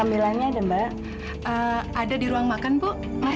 milah dapet surat dari butini